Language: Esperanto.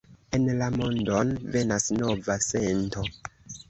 En la mondon venas nova sento